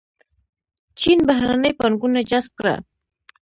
چین بهرنۍ پانګونه جذب کړه.